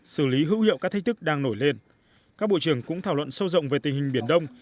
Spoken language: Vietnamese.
xử lý hữu hiệu các thách thức đang nổi lên các bộ trưởng cũng thảo luận sâu rộng về tình hình biển đông